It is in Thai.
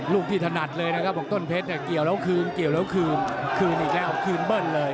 ลูกที่ถนัดเลยนะครับต้นเพชรเกี่ยวแล้วคืมคืนอีกแล้วคืนเบิ้ลเลย